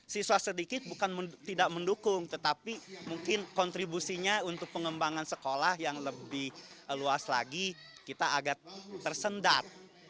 siswa sedikit bukan tidak mendukung tetapi mungkin kontribusinya untuk pengembangan sekolah yang lebih luas lagi kita agak tersendat